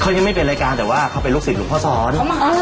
เขายังไม่เป็นรายการแต่ว่าเขาเป็นลูกศิษย์หลวงพ่อสอน